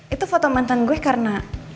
itu foto mantan gue karena